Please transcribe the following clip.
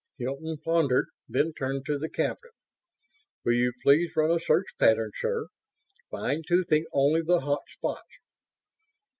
Hilton pondered, then turned to the captain. "Will you please run a search pattern, sir? Fine toothing only the hot spots?"